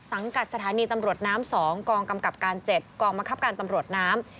สังกัดสถานีตำรวจน้ำ๒กองกำกับการ๗กองบังคับการตำรวจน้ำ